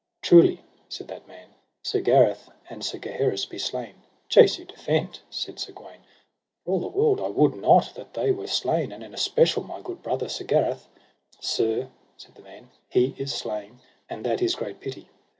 Truly, said that man, Sir Gareth and Sir Gaheris be slain. Jesu defend, said Sir Gawaine, for all the world I would not that they were slain, and in especial my good brother, Sir Gareth. Sir, said the man, he is slain, and that is great pity.